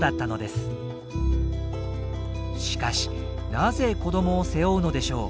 しかしなぜ子どもを背負うのでしょう？